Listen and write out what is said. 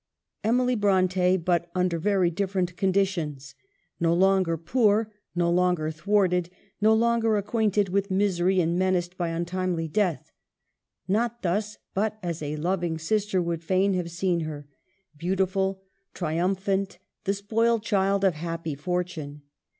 Emily Bronte, but under very different condi tions. No longer poor, no longer thwarted, no longer acquainted with misery and menaced by untimely death ; not thus, but as a loving sister would fain have seen her, beautiful, triumphant, 282 EMILY BRONTE. the spoiled child of happy fortune.